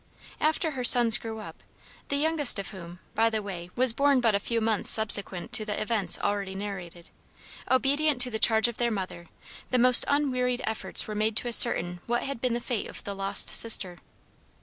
After her sons grew up, the youngest of whom, by the way, was born but a few months subsequent to the events already narrated, obedient to the charge of their mother, the most unwearied efforts were made to ascertain what had been the fate of the lost sister.